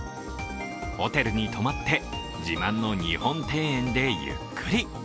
ホテルに泊まって自慢の日本庭園でゆっくり。